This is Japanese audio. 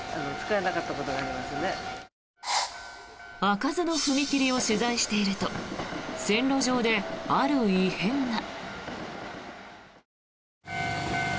開かずの踏切を取材していると線路上で、ある異変が。